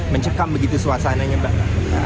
mencekam begitu suasananya mbak